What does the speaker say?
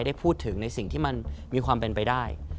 ได้พูดถึงในสิ่งที่มันมีความเป็นไปได้